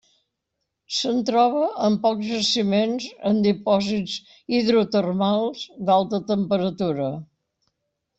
Se'n troba en pocs jaciments, en dipòsits hidrotermals d'alta temperatura.